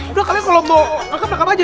udah kalian kalau mau rekam rekam aja